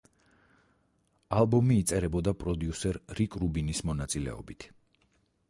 ალბომი იწერებოდა პროდიუსერ რიკ რუბინის მონაწილეობით.